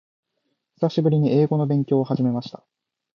久しぶりに英語の勉強を始めました。